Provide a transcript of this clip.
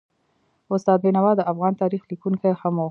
استاد بینوا د افغان تاریخ لیکونکی هم و.